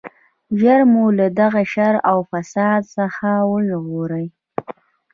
ژر مو له دغه شر او فساد څخه وژغورئ.